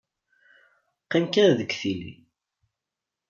Qqim kan deg tili.